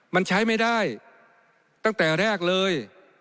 มันใช้ไม่ได้ตั้งแต่แรกเลย